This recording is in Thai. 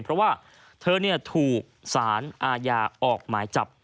เพราะว่าเธอถูกสารอาญาออกหมายจับ